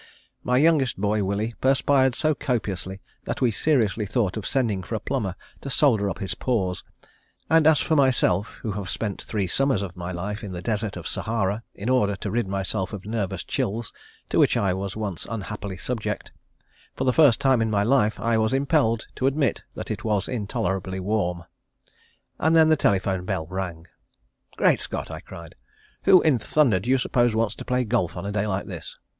My youngest boy Willie perspired so copiously that we seriously thought of sending for a plumber to solder up his pores, and as for myself who have spent three summers of my life in the desert of Sahara in order to rid myself of nervous chills to which I was once unhappily subject, for the first time in my life I was impelled to admit that it was intolerably warm. And then the telephone bell rang. "Great Scott!" I cried, "Who in thunder do you suppose wants to play golf on a day like this?"